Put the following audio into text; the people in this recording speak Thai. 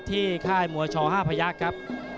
ที่ค่ายมวยชห้าพระยักษณ์ครับ